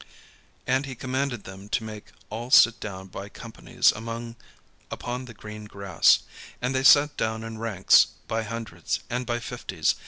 And he commanded them to make all sit down by companies upon the green grass. And they sat down in ranks, by hundreds, and by fifties.